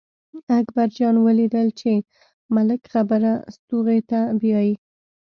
اکبر جان ولیدل چې ملک خبره ستوغې ته بیايي.